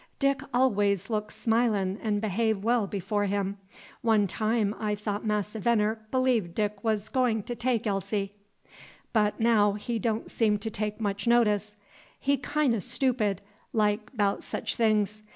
Dick always look smilin' 'n' behave well before him. One time I thought Massa Veneer b'lieve Dick was goin' to take to Elsie; but now he don' seem to take much notice, he kin' o' stupid ' like 'bout sech things.